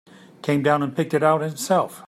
Came down and picked it out himself.